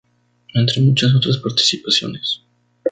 Entre muchas otras participaciones.